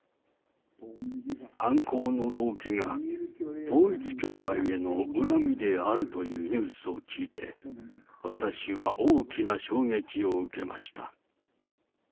犯行の動機が統一教会への恨みであるというニュースを聞いて、私は大きな衝撃を受けました。